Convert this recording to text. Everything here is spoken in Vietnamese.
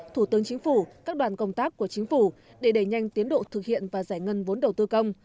thủ tướng chính phủ các đoàn công tác của chính phủ để đẩy nhanh tiến độ thực hiện và giải ngân vốn đầu tư công